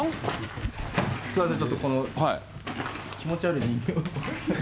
すみません、ちょっとこの、気持ち悪い人形。